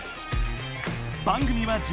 番組はじ